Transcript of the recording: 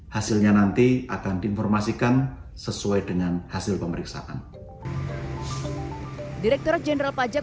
hasilnya nanti akan diinformasikan sesuai dengan hasil pemeriksaan direkturat jenderal pajak